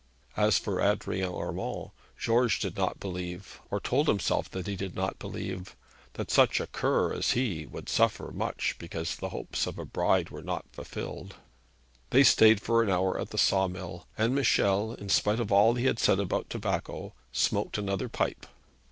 As for Adrian Urmand, George did not believe, or told himself that he did not believe, that such a cur as he would suffer much because his hopes of a bride were not fulfilled. They stayed for an hour at the saw mill, and Michel, in spite of all that he had said about tobacco, smoked another pipe.